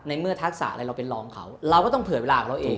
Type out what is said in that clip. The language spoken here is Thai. อะไรเราเป็นรองเขาเราก็ต้องเผยเวลาของเราเอง